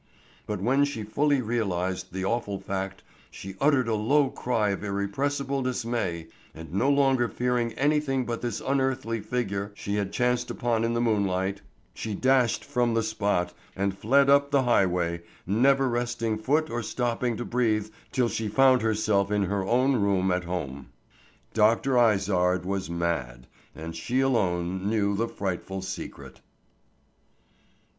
But when she fully realized the awful fact she uttered a low cry of irrepressible dismay, and no longer fearing anything but this unearthly figure she had chanced upon in the moonlight, she dashed from the spot and fled up the highway, never resting foot or stopping to breathe till she found herself in her own room at home. Dr. Izard was mad and she alone knew the frightful secret.